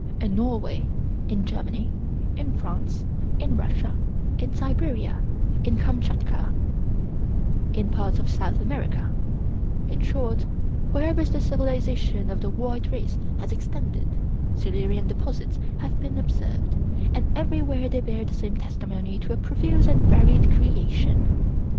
In Norway, in Germany, in France, in Russia, in Siberia, in Kamchatka, in parts of South America, in short, wherever the civilization of the white race has extended, Silurian deposits have been observed, and everywhere they bear the same testimony to a profuse and varied creation.